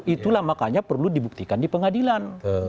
itulah makanya perlu dibuktikan di pengadilan